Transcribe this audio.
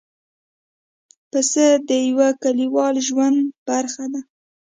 پسه د یوه کلیوالو ژوند برخه ده.